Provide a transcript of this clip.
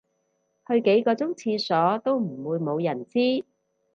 去幾個鐘廁所都唔會無人知